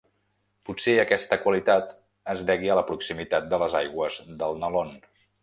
Potser aquesta qualitat es degui a la proximitat de les aigües del Nalón.